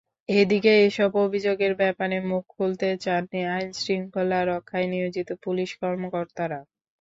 এদিকে এসব অভিযোগের ব্যাপারে মুখ খুলতে চাননি আইনশৃঙ্খলা রক্ষায় নিয়োজিত পুলিশ কর্মকর্তারা।